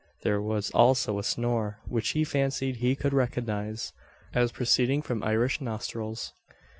There was also a snore, which he fancied he could recognise, as proceeding from Irish nostrils.